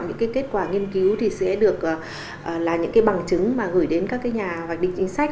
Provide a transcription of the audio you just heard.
những kết quả nghiên cứu sẽ được là những bằng chứng gửi đến các nhà hoạch định chính sách